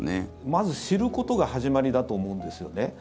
まず知ることが始まりだと思うんですよね。